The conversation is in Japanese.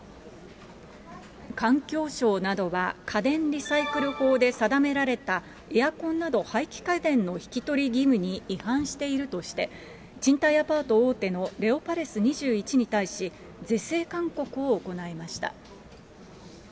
環境省などが家電リサイクル法で定められたエアコンなど廃棄家電の引き取り義務に違反しているとして、賃貸アパート大手のレオパレス２１に対し、是正勧告を行いました。